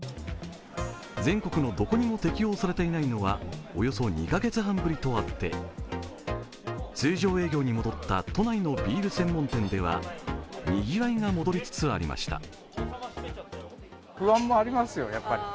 全国のどこにも適用されていないのはおよそ２カ月半ぶりとあって通常営業に戻った都内のビール専門店ではにぎわいが戻りつつありました。